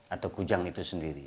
atau kujang itu sendiri